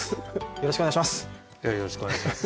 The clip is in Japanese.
よろしくお願いします。